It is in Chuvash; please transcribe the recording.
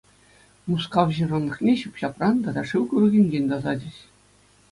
Мускав ҫыранлӑхне ҫӳп-ҫапран тата шыв курӑкӗнчен тасатӗҫ.